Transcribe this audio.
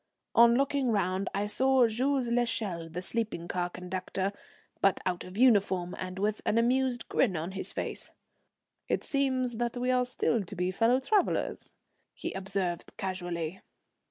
On looking round I saw Jules l'Echelle, the sleeping car conductor, but out of uniform, and with an amused grin on his face. "It seems that we are still to be fellow travellers," he observed casually.